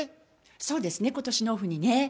そうですね、ことしのオフにね。